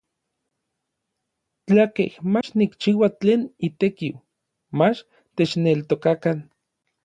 Tlakej mach nikchiua tlen itekiu, mach techneltokakan.